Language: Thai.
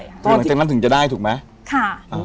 หลังจากนั้นถึงจะได้ถูกไหม